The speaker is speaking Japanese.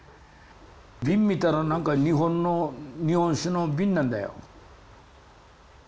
瓶見たら何か日本の日本酒の瓶なんだよ。